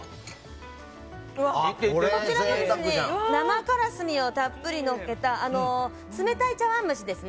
こちらも生からすみをたっぷりのせた冷たい茶碗蒸しですね。